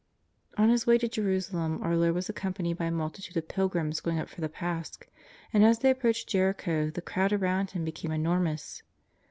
On His way to Jerusalem our Lord was accompanied by a multitude of pilgrims going up for the Pasch, and as they approached Jericho the crowd around Him be came enormous.